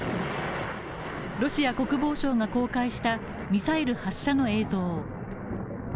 ロシア国防省が公開したミサイル発射の映像。